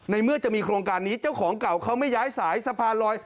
เมื่อจะมีโครงการนี้เจ้าของเก่าเขาไม่ย้ายสายสะพานลอย